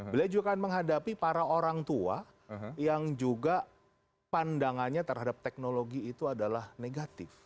beliau juga akan menghadapi para orang tua yang juga pandangannya terhadap teknologi itu adalah negatif